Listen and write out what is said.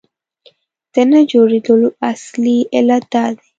د نه جوړېدلو اصلي علت دا دی.